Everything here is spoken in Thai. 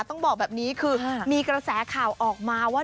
ต้องบอกแบบนี้คือมีกระแสข่าวออกมาว่า